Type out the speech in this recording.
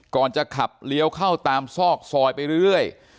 ก่อนจะขับเลี้ยวเข้าตามซอกซอยไปเรื่อย